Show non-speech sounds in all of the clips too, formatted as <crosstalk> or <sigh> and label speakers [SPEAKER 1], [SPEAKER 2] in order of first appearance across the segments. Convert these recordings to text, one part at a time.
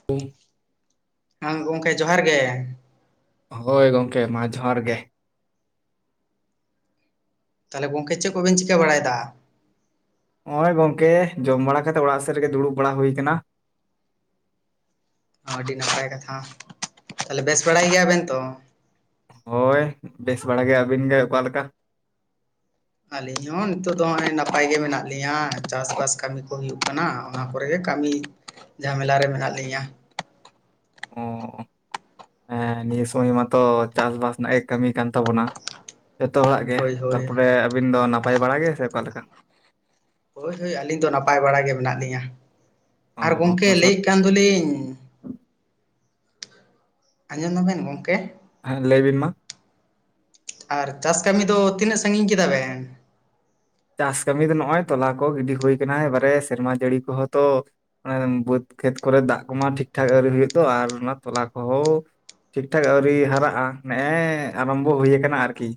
[SPEAKER 1] <unintelligible>
[SPEAKER 2] ᱦᱮᱸ ᱜᱚᱢᱠᱮ ᱡᱚᱦᱟᱨ ᱜᱮ
[SPEAKER 1] ᱦᱳᱭ ᱜᱚᱝᱠᱮ ᱢᱟ ᱡᱚᱦᱟᱨ ᱜᱮ
[SPEAKER 2] ᱛᱟᱦᱚᱞᱮ ᱜᱚᱝᱠᱮ ᱪᱮᱫ ᱠᱚᱵ ᱪᱤᱠᱟᱹ ᱵᱟᱲᱟᱭᱮᱫᱟ
[SPEAKER 1] ᱱᱚᱜ ᱚᱭ ᱜᱚᱝᱠᱮ ᱡᱚᱢ ᱵᱟᱲᱟ ᱠᱟᱛᱮᱜ ᱚᱲᱟᱜ ᱥᱮᱫ ᱨᱮᱜᱮ ᱫᱩᱲᱩᱵ ᱵᱟᱲᱟ ᱦᱩᱭ ᱟᱠᱟᱱᱟ
[SPEAKER 2] ᱟᱹᱰᱤ ᱱᱟᱯᱟᱭ ᱠᱟᱛᱷᱟ ᱛᱟᱦᱚᱞᱮ ᱵᱮᱥ ᱵᱟᱲᱟᱭ ᱜᱮᱭᱟ ᱵᱮᱱ ᱛᱚ
[SPEAKER 1] ᱦᱳᱭ ᱵᱮᱥ ᱵᱟᱲᱟ ᱜᱮ ᱟᱹᱵᱤᱱ ᱜᱮ ᱚᱠᱟᱞᱮ ᱞᱮᱠᱟ
[SPEAKER 2] ᱟᱹᱞᱤᱧ ᱦᱚᱸ ᱱᱤᱛᱚᱜᱜ ᱫᱚ ᱱᱚᱜᱚᱭ ᱱᱟᱯᱟᱭ ᱜᱮ ᱢᱮᱱᱟᱜ ᱞᱤᱧᱟᱹ ᱪᱟᱥᱵᱟᱥ ᱠᱟᱹᱢᱤ ᱠᱚ ᱦᱩᱭᱩᱜ ᱠᱟᱱᱟ ᱚᱱᱟ ᱠᱚᱨᱮᱜᱮ ᱠᱟᱹᱢᱤ ᱡᱷᱟᱢᱮᱞᱟ ᱨᱮ ᱢᱮᱱᱟᱜ ᱞᱤᱧᱟᱹ
[SPEAKER 1] ᱚ ᱦᱮᱸ ᱱᱤᱭᱟᱹ ᱥᱚᱢᱚᱭ ᱢᱟᱛᱚ ᱪᱟᱥᱼᱵᱟᱥ ᱨᱮᱱᱟᱜ ᱜᱮ ᱠᱟᱹᱢᱤ ᱠᱟᱱ ᱛᱟᱵᱚᱱᱟ ᱡᱚᱛᱚ ᱦᱚᱲᱟᱜ ᱜᱮ
[SPEAKER 2] ᱦᱳᱭ ᱦᱳᱭ
[SPEAKER 1] ᱛᱟᱨᱯᱚᱨᱮ ᱟᱹᱵᱤᱱ ᱫᱚ ᱱᱟᱯᱟᱭ ᱵᱟᱲᱟ ᱜᱮ ᱥᱮ ᱚᱠᱟᱞᱮᱠᱟ
[SPEAKER 2] ᱦᱳᱭ ᱦᱳᱭ ᱟᱹᱞᱤᱧ ᱫᱚ ᱱᱟᱯᱟᱭ ᱵᱟᱲᱟ ᱜᱮ ᱢᱮᱱᱟᱜ ᱞᱤᱧᱟᱹ
[SPEAKER 1] ᱚ
[SPEAKER 2] ᱟᱨ ᱜᱚᱢᱠᱮ
[SPEAKER 1] ᱚᱱᱟ ᱥᱟᱶ
[SPEAKER 2] ᱞᱟᱹᱭᱼᱮᱫ ᱠᱟᱱ ᱫᱚᱞᱤᱧ ᱟᱸᱡᱚᱢ ᱟᱵᱮᱱ ᱜᱚᱢᱠᱮ?
[SPEAKER 1] ᱦᱮᱸ ᱞᱟᱹᱭ ᱵᱤᱱ ᱢᱟ
[SPEAKER 2] ᱟᱨ ᱪᱟᱥ ᱠᱟᱹᱢᱤ ᱫᱚ ᱛᱤᱱᱟᱹᱜ ᱥᱟᱺᱜᱤᱧ ᱠᱮᱫᱟ ᱵᱮᱱ
[SPEAKER 1] ᱪᱟᱥ ᱠᱟᱹᱢᱤ ᱫᱚ ᱱᱚᱜᱼᱚᱭ ᱛᱚᱞᱟ ᱠᱚ ᱜᱤᱰᱤ ᱦᱩᱭ ᱟᱠᱟᱱᱟ ᱮᱵᱟᱨᱮ ᱥᱮᱨᱢᱟ ᱡᱟᱹᱲᱤ ᱠᱚᱦᱚᱸ ᱛᱚ ᱵᱟᱹᱫᱽ ᱠᱷᱮᱛ ᱠᱚᱨᱮ ᱫᱟᱜ ᱠᱚᱢᱟ ᱴᱷᱤᱠ ᱴᱷᱟᱠ ᱟᱨᱣᱨᱤ ᱦᱩᱭᱩᱜ ᱛᱚ ᱟᱨ ᱚᱱᱟ ᱛᱚᱞᱟ ᱠᱚᱦᱚᱸ ᱴᱷᱤᱠ ᱴᱷᱟᱠ ᱟᱹᱣᱨᱤ ᱦᱟᱨᱟᱜᱼᱟ ᱱᱮᱜᱼᱮ ᱟᱨᱟᱢᱵᱚ ᱦᱩᱭ ᱠᱟᱱᱟ ᱟᱨᱠᱤ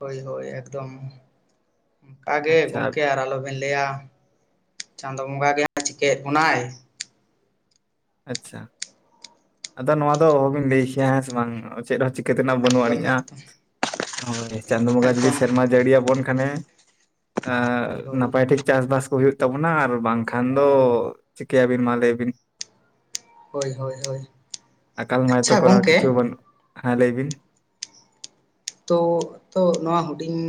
[SPEAKER 2] ᱦᱳᱭ ᱦᱳᱭ ᱮᱠᱫᱚᱢ ᱚᱱᱠᱟ ᱜᱮ
[SPEAKER 1] ᱟᱪᱪᱷᱟ
[SPEAKER 2] ᱜᱚᱝᱠᱮ ᱟᱨ ᱟᱞᱚ ᱵᱮᱱ ᱞᱟᱹᱭᱟ ᱪᱟᱸᱫᱚ ᱵᱚᱸᱜᱟ ᱜᱮ ᱦᱟᱜ ᱪᱤᱠᱟᱹᱭᱮᱫ ᱵᱚᱱᱟᱭ
[SPEAKER 1] ᱟᱪᱪᱷᱟ ᱟᱫᱚ ᱱᱚᱣᱟ ᱫᱚ ᱚᱦᱚᱵᱤᱱ ᱞᱟᱹᱭ ᱠᱮᱭᱟ ᱦᱮᱸ ᱥᱮ ᱵᱟᱝ ᱪᱮᱫ ᱦᱚᱸ ᱪᱤᱱᱤᱠᱟᱹ ᱛᱮᱱᱟᱜ ᱵᱟᱹᱱᱩᱜ
[SPEAKER 2] ᱮᱠᱫᱚᱢ
[SPEAKER 1] ᱟᱹᱱᱤᱡᱼᱟ
[SPEAKER 2] ᱮᱠᱫᱚᱢ
[SPEAKER 1] ᱦᱳᱭ ᱪᱟᱸᱫᱳ ᱵᱚᱸᱜᱟ ᱡᱩᱫᱤ
[SPEAKER 2] ᱮᱠᱫᱚᱢ
[SPEAKER 1] ᱥᱮᱨᱢᱟ ᱡᱟᱹᱲᱤᱭᱟᱵᱚᱱ ᱠᱷᱟᱱᱮ
[SPEAKER 2] ᱦᱳᱭ
[SPEAKER 1] ᱮᱜ
[SPEAKER 2] ᱦᱳᱭ
[SPEAKER 1] ᱱᱟᱯᱟᱭ ᱴᱷᱤᱠ ᱪᱟᱥᱵᱟᱥ ᱠᱚ ᱦᱩᱭᱩᱜ ᱛᱟᱵᱚᱱᱟ ᱟᱨ ᱵᱟᱝᱠᱷᱟᱱ ᱫᱚ ᱪᱤᱠᱟᱹᱭᱟᱵᱤᱱ ᱢᱟ ᱞᱟᱹᱭ ᱵᱤᱱ
[SPEAKER 2] ᱦᱳᱭ ᱦᱳᱭ ᱦᱳᱭ
[SPEAKER 1] ᱟᱠᱟᱞ ᱢᱟᱭ ᱛᱚ
[SPEAKER 2] ᱟᱪᱪᱷᱟ
[SPEAKER 1] ᱠᱚᱨᱟᱣ ᱠᱤᱪᱷᱩ
[SPEAKER 2] ᱜᱚᱝᱠᱮ
[SPEAKER 1] ᱵᱟ. ᱱᱩᱜ ᱦᱮᱸ ᱞᱟᱹᱭ ᱵᱤᱱ
[SPEAKER 2] ᱛᱚ ᱛᱚ ᱱᱚᱣᱟ ᱦᱩᱰᱤᱧ